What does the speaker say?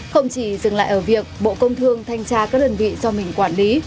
không chỉ dừng lại ở việc bộ công thương thanh tra các đơn vị do mình quản lý